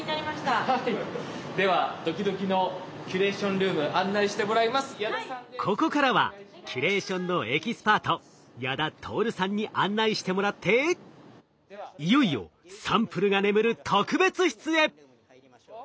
ではドキドキのここからはキュレーションのエキスパート矢田達さんに案内してもらっていよいよサンプルが眠る特別室へ！